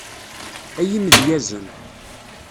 Ay imedyazen.